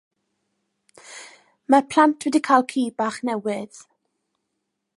Mae'r plant wedi cael ci bach newydd.